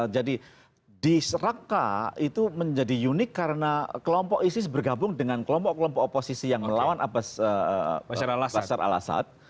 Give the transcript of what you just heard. jadi di raqqa itu menjadi unik karena kelompok isis bergabung dengan kelompok kelompok oposisi yang melawan bashar al assad